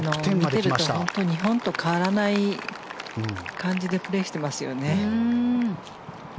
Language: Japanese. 見てると日本と変わらない感じでプレーしてますよね。